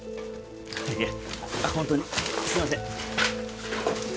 いや本当にすみません。